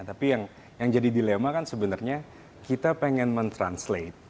tapi yang jadi dilema kan sebenarnya kita pengen mentranslate